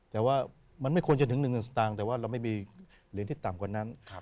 แต่ว่ามันไม่ควรจะถึง๑สตางค์แต่ว่าเราไม่มีเหรียญที่ต่ำกว่านั้น